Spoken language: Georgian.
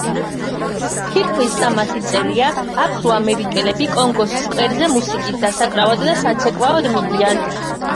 თითქმის სამასი წელია აფრო-ამერიკელები კონგოს სკვერზე მუსიკის დასაკრავად და საცეკვაოდ მიდიან.